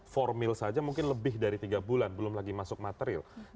formil saja mungkin lebih dari tiga bulan belum lagi masuk material